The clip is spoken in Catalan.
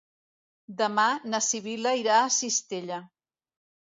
Demà na Sibil·la irà a Cistella.